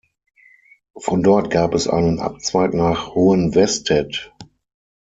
Von dort gab es einen Abzweig nach Hohenwestedt.